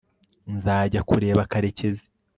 nzajya kureba karekezi